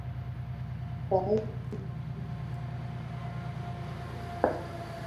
Tarehe kumi na nne mwezi wa kumi na mbili